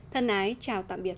thân ái chào tạm biệt